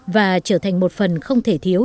và trở thành một phần không thể thiếu